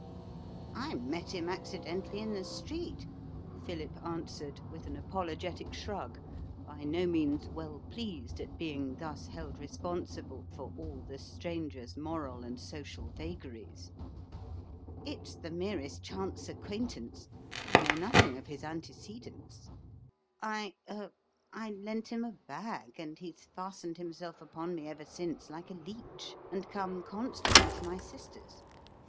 "I met him accidentally in the street," Philip answered, with an apologetic shrug, by no means well pleased at being thus held responsible for all the stranger's moral and social vagaries. "It's the merest chance acquaintance. I know nothing of his antecedents. I er I lent him a bag, and he's fastened himself upon me ever since like a leech, and come constantly to my sister's.